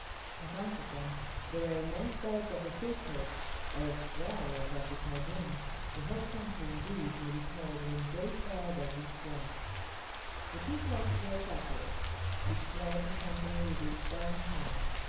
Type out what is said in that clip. In consequence, there were immense beds of the thistle, as well as of the cardoon: the whole country, indeed, may be called one great bed of these plants. The two sorts grow separate, each plant in company with its own kind.